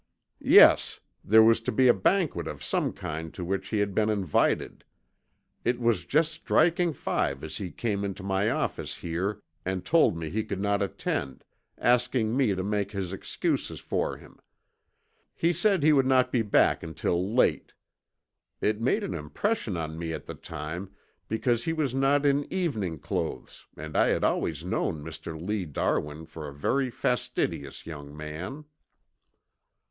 "Yes. There was to be a banquet of some kind to which he had been invited. It was just striking five as he came into my office here and told me he could not attend, asking me to make his excuses for him. He said he would not be back until late. It made an impression on me at the time because he was not in evening clothes and I had always known Mr. Lee Darwin for a very fastidious young man."